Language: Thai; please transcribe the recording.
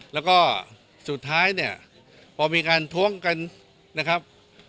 แล้วก็สุดท้ายเนี่ยพอมีการท้วงกันนะครับ